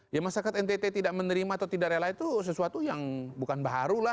ya masyarakat ntt tidak menerima atau tidak rela itu sesuatu yang bukan baru lah